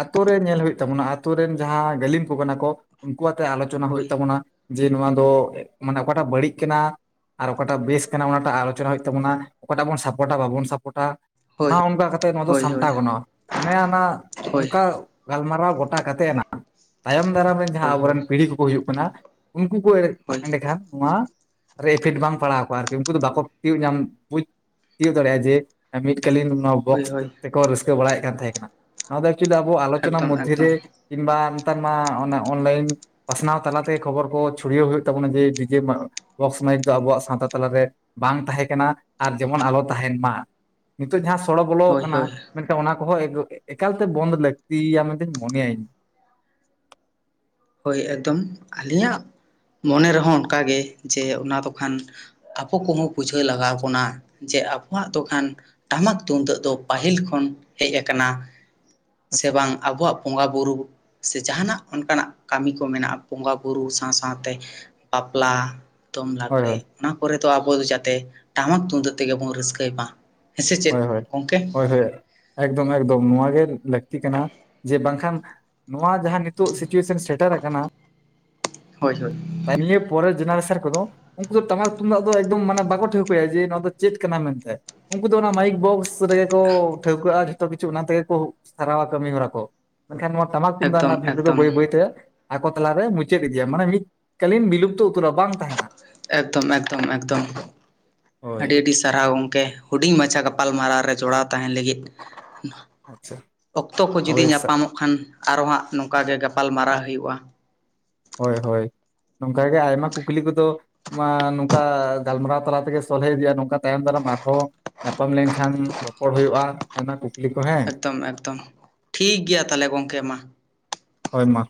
[SPEAKER 1] ᱟᱛᱳ ᱨᱮ ᱧᱮᱞ ᱦᱩᱭᱩᱜ ᱛᱟᱵᱚᱱᱟ ᱟᱛᱳ ᱨᱮᱱ ᱡᱟᱦᱟᱸ ᱜᱟᱹᱞᱤᱢ ᱠᱚ ᱠᱟᱱᱟ ᱠᱚ ᱩᱱᱠᱩ ᱟᱛᱮᱜ ᱟᱞᱳᱪᱚᱱᱟ
[SPEAKER 2] ᱦᱳᱭ
[SPEAKER 1] ᱦᱩᱭᱩᱜ ᱛᱟᱵᱚᱱᱟ ᱡᱮ ᱱᱚᱣᱟ ᱫᱚ ᱢᱟᱱᱮ ᱚᱠᱟᱴᱟᱜ ᱵᱟᱹᱲᱤᱡ ᱠᱟᱱᱟ ᱟᱨ ᱚᱠᱟᱴᱟᱜ ᱵᱮᱥ ᱠᱟᱱᱟ ᱚᱱᱟᱴᱟᱜ ᱟᱞᱳᱪᱚᱱᱟ ᱦᱩᱭᱩᱜ ᱛᱟᱵᱚᱱᱟ ᱚᱠᱟᱴᱟᱜ ᱵᱚᱱ ᱥᱟᱯᱳᱴᱟ ᱵᱟᱵᱚᱱ ᱥᱟᱯᱴᱟ
[SPEAKER 2] ᱦᱳᱭ
[SPEAKER 1] ᱚᱱᱠᱟ ᱠᱟᱛᱮᱜ ᱱᱚᱣᱟ ᱫᱚ
[SPEAKER 2] ᱦᱳᱭ ᱦᱳᱭ
[SPEAKER 1] ᱥᱟᱢᱴᱟᱣ ᱜᱟᱱᱚᱜᱼᱟ ᱚᱱᱮ ᱚᱱᱟ
[SPEAKER 2] ᱦᱳᱭ
[SPEAKER 1] ᱚᱱᱠᱟ ᱜᱟᱞᱢᱟᱨᱟᱣ ᱜᱚᱴᱟ ᱠᱟᱛᱮᱫ ᱟᱱ ᱛᱟᱭᱚᱢ ᱫᱟᱨᱟᱢ ᱨᱮᱱ ᱡᱟᱦᱟᱸ
[SPEAKER 2] ᱦᱳᱭ
[SPEAKER 1] ᱟᱵᱚᱨᱮᱱ
[SPEAKER 2] ᱦᱳᱭ
[SPEAKER 1] ᱯᱤᱲᱦᱤ ᱠᱚᱠᱚ ᱦᱩᱭᱩᱜ ᱠᱟᱱᱟ ᱩᱱᱠᱩ ᱠᱚ
[SPEAKER 2] ᱦᱳᱭ
[SPEAKER 1] ᱮᱸᱰᱮᱠᱷᱟᱱ ᱱᱚᱣᱟ ᱤᱯᱷᱮᱠᱴ ᱵᱟᱝ ᱯᱟᱲᱟᱣ ᱠᱚᱣᱟ ᱟᱨᱠᱤ ᱩᱱᱠᱩ ᱫᱚ ᱵᱟᱠᱚ ᱛᱤᱭᱩᱜ ᱧᱟᱢ ᱵᱩᱡ ᱛ ᱛ ᱡᱮ ᱟ <unintelligible> ᱠᱟᱞᱤᱱ ᱱᱚᱣᱟ
[SPEAKER 2] ᱦᱳᱭ
[SPEAKER 1] ᱵᱚᱠᱥ
[SPEAKER 2] ᱦᱳᱭ
[SPEAKER 1] ᱛᱮᱠᱚ ᱨᱟᱹᱥᱠᱟᱹ ᱵᱟᱲᱟᱭᱮᱫ ᱠᱟᱱ ᱛᱟᱦᱮᱸ ᱠᱟᱱᱟ ᱱᱚᱣᱟ ᱫᱚ ᱮᱠᱪᱩᱭᱮᱞᱤ ᱟᱵᱚ ᱟᱞᱳᱪᱚᱱᱟ
[SPEAKER 2] ᱮᱠᱫᱚᱢ
[SPEAKER 1] ᱢᱚᱫᱽᱫᱷᱮ
[SPEAKER 2] ᱮᱠᱫᱚᱢ
[SPEAKER 1] ᱨᱮ ᱠᱤᱝᱵᱟ ᱱᱮᱛᱟᱨ ᱢᱟ ᱚᱱᱮ ᱚᱱᱞᱟᱭᱤᱱ ᱯᱟᱥᱱᱟᱣ ᱛᱟᱞᱟᱛᱮ ᱠᱷᱚᱵᱚᱨ ᱠᱚ ᱪᱷᱩᱲᱭᱟᱹᱣ ᱦᱩᱭᱩᱜ ᱛᱟᱵᱚᱱᱟ ᱡᱮ ᱰᱤᱡᱮ ᱵᱚᱠᱥ ᱢᱟᱭᱤᱠ ᱫᱚ ᱟᱵᱚᱣᱟᱜ ᱥᱟᱶᱛᱟ ᱛᱟᱞᱟᱨᱮ ᱵᱟᱝ ᱛᱟᱦᱮᱸ ᱠᱟᱱᱟ ᱟᱨ ᱡᱮᱢᱚᱱ ᱟᱞᱚ ᱛᱟᱦᱮᱱ ᱢᱟᱹ ᱱᱤᱛᱚᱜ ᱡᱟᱦᱟᱸ ᱥᱚᱲᱚ ᱵᱚᱞᱚ
[SPEAKER 2] ᱦᱳᱭ
[SPEAKER 1] ᱟᱠᱟᱱᱟ
[SPEAKER 2] ᱦᱳᱭ
[SPEAKER 1] ᱢᱮᱱᱠᱷᱟᱱ ᱚᱱᱟ ᱠᱚᱦᱚᱸ ᱮᱠᱟᱞᱛᱮ ᱵᱚᱱᱫ ᱞᱟᱹᱠᱛᱤᱭᱟ ᱢᱮᱱᱛᱮ ᱢᱚᱱᱮᱭᱟ ᱤᱧ
[SPEAKER 2] ᱦᱳᱭ ᱮᱠᱫᱚᱢ ᱟᱹᱞᱤᱧᱟᱜ ᱢᱚᱱᱮ ᱨᱮᱦᱚᱸ ᱚᱱᱠᱟᱜ ᱜᱮ ᱡᱮ ᱚᱱᱟ ᱫᱚᱠᱷᱟᱱ ᱟᱵᱚ ᱠᱚᱦᱚᱸ ᱵᱩᱡᱷᱟᱹᱣ ᱞᱟᱜᱟᱣ ᱵᱚᱱᱟ ᱡᱮ ᱟᱵᱚᱣᱟᱜ ᱫᱚᱠᱷᱟᱱ ᱴᱟᱢᱟᱠ ᱛᱩᱢᱫᱟᱹᱜ ᱫᱚ ᱯᱟᱹᱦᱤᱞ ᱠᱷᱚᱱ ᱦᱮᱡ ᱟᱠᱟᱱᱟᱹ ᱥᱮ
[SPEAKER 1] ᱟᱪᱪᱷᱟ
[SPEAKER 2] ᱵᱟᱝ ᱟᱵᱚᱣᱟᱜ ᱵᱚᱸᱜᱟ ᱵᱩᱨᱩ ᱥᱮ ᱡᱟᱦᱟᱱᱟᱜ ᱚᱱᱠᱟᱱᱟᱜ ᱠᱟᱹᱢᱤ ᱠᱚ ᱢᱮᱱᱟᱜᱼᱟ ᱵᱚᱸᱜᱟ ᱵᱨ ᱥᱟᱶ ᱥᱟᱶᱛᱮ ᱵᱟᱯᱞᱟ ᱫᱚᱝ
[SPEAKER 1] ᱦᱳᱭ
[SPEAKER 2] ᱞᱟᱜᱽᱲᱮ
[SPEAKER 1] ᱦᱳᱭ
[SPEAKER 2] ᱚᱱᱟ ᱠᱚᱨᱮ ᱫᱚ ᱟᱵᱚ ᱫᱚ ᱡᱟᱛᱮ ᱴᱟᱢᱟᱠ ᱛᱩᱢᱫᱟ. ᱛᱮᱜᱮ ᱵᱚᱱ ᱨᱟᱹᱥᱠᱟᱹᱭ ᱢᱟ ᱦᱮᱸ ᱥᱮ ᱪᱮᱫ
[SPEAKER 1] ᱦᱳᱭ ᱦᱳᱭ
[SPEAKER 2] ᱜᱚᱝᱠᱮ
[SPEAKER 1] ᱦᱳᱭ ᱦᱳᱭ ᱮᱠᱫᱚᱢ ᱮᱠᱫᱚᱢ ᱱᱚᱣᱟᱣᱟᱜ ᱜᱮ ᱞᱟᱹᱠᱛᱤ ᱠᱟᱱᱟ ᱡᱮ ᱵᱟᱝᱠᱷᱟᱱ ᱱᱚᱣᱟ ᱡᱟᱦᱟᱸ ᱱᱤᱛᱚᱜ ᱥᱤᱪᱩᱭᱮᱥᱚᱱ ᱥᱮᱴᱮᱨ ᱠᱟᱱᱟ
[SPEAKER 2] ᱦᱳᱭᱼᱦᱳᱭ
[SPEAKER 1] ᱱᱤᱭᱟᱹ ᱯᱚᱨᱮᱨ ᱡᱮᱱᱟᱨᱮ ᱥᱟᱨ ᱠᱚᱫ ᱩᱱᱠᱩ ᱫᱚ ᱴᱟᱢᱟᱠ ᱛᱩᱢᱫᱟᱜ ᱫᱚ ᱮᱠᱫᱚᱢ ᱢᱟᱱᱮ ᱵᱟᱠᱚ ᱴᱷᱟᱹᱣᱠᱟᱹᱭᱟ ᱡᱮ ᱱᱚᱣᱟ ᱫᱚ ᱪᱮᱫ ᱠᱟᱱᱟ ᱢᱮᱱᱛᱮ ᱩᱱᱠᱩ ᱫᱚ ᱚᱱᱟ ᱢᱟᱭᱤᱠ ᱵᱚᱠᱥ ᱨᱮᱜᱮ ᱠᱚ ᱴᱷᱟᱹᱣᱠᱟᱹᱜᱼᱟ ᱡᱷᱚᱛᱚ ᱠᱤᱪᱷᱩ ᱚᱱᱟ ᱛᱮᱜᱮ ᱠᱚ ᱥᱟᱨᱟᱣᱟ ᱠᱟᱹᱢᱤ ᱦᱚᱨᱟ ᱠᱚ ᱢᱮᱱᱠᱷᱟᱱ ᱱᱚᱣᱟ ᱴᱟᱢᱟᱠ ᱛᱩᱢᱫᱟᱜ ᱨᱮᱱᱟᱜ
[SPEAKER 2] ᱮᱠᱫᱚᱢ
[SPEAKER 1] ᱵᱷᱮᱞᱩ ᱫᱚ
[SPEAKER 2] ᱮᱠᱫᱚᱢ
[SPEAKER 1] ᱵᱟᱹᱭ ᱵᱟᱹᱭᱛᱮ ᱟᱠᱚ ᱛᱟᱞᱟᱨᱮ ᱢᱩᱪᱟᱹᱫ ᱤᱫᱤᱭᱟ ᱢᱟᱱᱮ ᱢᱤᱫ ᱠᱟᱞᱤᱱ ᱵᱤᱞᱩᱯᱛᱚ ᱩᱛᱩᱨᱚᱜ ᱟ ᱵᱟᱝ ᱛᱟᱦᱮᱱᱟᱹ
[SPEAKER 2] ᱮᱠᱫᱚᱢ ᱮᱠᱫᱚᱢ ᱮᱠᱫᱚᱢ
[SPEAKER 1] ᱦᱳᱭ
[SPEAKER 2] ᱟᱹᱰᱤ ᱟᱹᱰᱤ ᱥᱟᱨᱦᱟᱣ ᱜᱚᱝᱠᱮ ᱦᱩᱰᱤᱧ ᱢᱟᱪᱷᱟ ᱜᱟᱯᱟᱞᱢᱟᱨᱟᱣ ᱨᱮ ᱡᱚᱲᱟᱣ ᱛᱟᱦᱮᱱ ᱞᱟᱹᱜᱤᱫ
[SPEAKER 1] ᱟᱪᱪᱷᱟ
[SPEAKER 2] ᱚᱠᱛᱚ ᱠᱚ ᱡᱩᱫᱤ
[SPEAKER 1] ᱦᱳᱭ
[SPEAKER 2] ᱧᱟᱯᱟᱢᱚᱜ ᱠᱷᱟᱱ ᱟᱨᱚ ᱦᱟᱸᱜ ᱱᱚᱝᱠᱟ ᱜᱮ ᱜᱟᱯᱟᱞᱢᱟᱨᱟᱣ ᱦᱩᱭᱩᱜᱼᱟ
[SPEAKER 1] ᱦᱳᱭ ᱦᱳᱭ ᱱᱚᱝᱠᱟ ᱜᱮ ᱟᱭᱢᱟ ᱠᱩᱠᱞᱤ ᱠᱚᱫᱚ ᱢᱟ ᱱᱚᱝᱠᱟ ᱜᱟᱞᱢᱟᱨᱟᱣ ᱛᱟᱞᱟ ᱛᱮᱜᱮ ᱥᱚᱞᱦᱮ ᱤᱫᱤᱭᱟ ᱱᱚᱝᱠᱟ ᱛᱟᱭᱚᱢ ᱫᱟᱨᱟᱢ ᱟᱨᱦᱚᱸ ᱧᱟᱯᱟᱢ ᱞᱮᱱᱠᱷᱟᱱ ᱨᱚᱯᱚᱲ ᱦᱩᱭᱩᱜᱼᱟ ᱦ ᱠᱩᱠᱞᱤ ᱠᱚ ᱦᱮᱸ <unintelligible>
[SPEAKER 2] ᱮᱠᱫᱚᱢ ᱮᱠᱫᱚᱢ ᱴᱷᱤᱠ ᱜᱮᱭᱟ ᱛᱟᱦᱚᱞᱮ ᱜᱚᱝᱠᱮ ᱢᱟᱹ
[SPEAKER 1] ᱦᱳᱭ ᱢᱟ